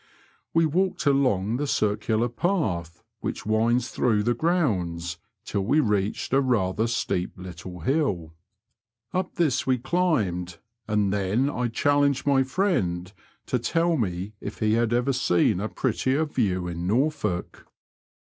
We walked along the circular path which winds through the grounds, tiU we reached a rather steep little hill. Up this we climbed, and then 1 challenged my friend to tell me if he had ever seen a prettier view in Norfolk.